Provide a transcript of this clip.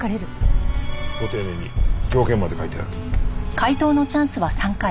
ご丁寧に条件まで書いてある。